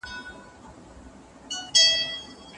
کوم قریب د ناروغې ميرمنې میراث وړي؟